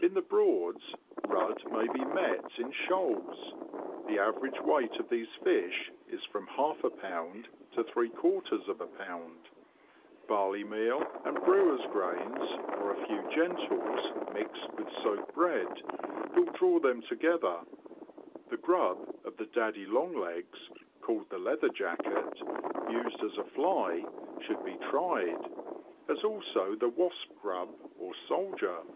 In the Broads, rudd may be met with in shoals. The average weight of these fish is from ^Ib. to fib. Barley meal and brewers' grains, or a few gentles, mixed with soaked bread, will draw them together. The. grub of the " daddy long legs," called the " leather jacket," used as a fly, should be tried, as also the wasp grub, or '^soldier."